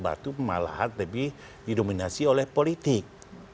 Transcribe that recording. tapi akbar itu malahan lebih didominasi oleh politik